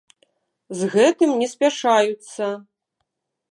З гэтым не спяшаюцца.